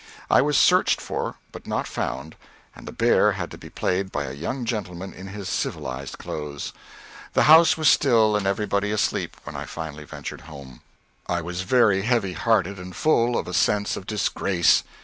I was searched for but not found, and the bear had to be played by a young gentleman in his civilized clothes. The house was still and everybody asleep when I finally ventured home. I was very heavy hearted, and full of a sense of disgrace.